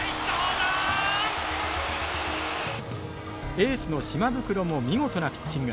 エースの島袋も見事なピッチング。